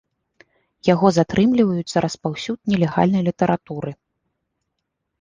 Яго затрымліваюць за распаўсюд нелегальнай літаратуры.